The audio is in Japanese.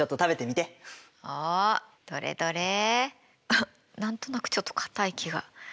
あっ何となくちょっとかたい気が。